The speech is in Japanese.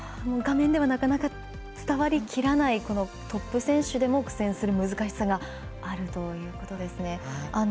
画面ではなかなか伝わりきらないトップ選手でも苦戦する難しさがあるということですね。